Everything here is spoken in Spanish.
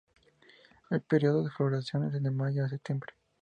El período de floración es de mayo a septiembre.